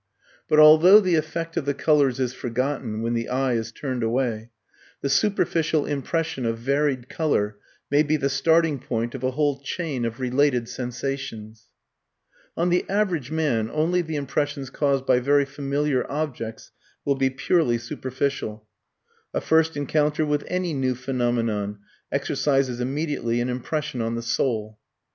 But although the effect of the colours is forgotten when the eye is turned away, the superficial impression of varied colour may be the starting point of a whole chain of related sensations. On the average man only the impressions caused by very familiar objects, will be purely superficial. A first encounter with any new phenomenon exercises immediately an impression on the soul.